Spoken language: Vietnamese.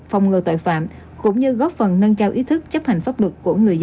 phòng ngừa tội phạm cũng như góp phần nâng cao ý thức chấp hành pháp luật của người dân